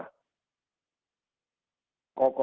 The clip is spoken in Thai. กอกตอวิเคราะห์เรื่องพวกนี้เป็นเหรอครับ